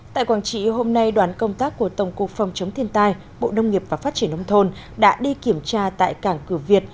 tại quảng trị hôm nay đoàn công tác của tổng cục phòng chống thiên tai bộ nông nghiệp và phát triển nông thôn đã đi kiểm tra tại cảng cửa việt